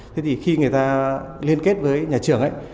thế thì khi người ta liên kết với nhà trường ấy